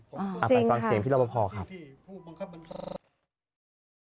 อ๋อจริงค่ะพี่รับพอครับอาฟัยฟังเสมที่รับพอครับอ๋อจริงค่ะ